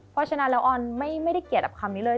เพราะฉะนั้นแล้วออนไม่ได้เกียรติกับคำนี้เลย